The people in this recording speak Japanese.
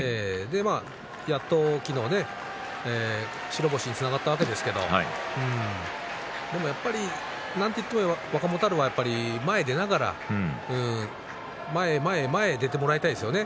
やっと昨日は白星につながったわけですがでもやっぱりなんと言っても若元春は前に出ながら前へ前へ出てもらいたいですよね。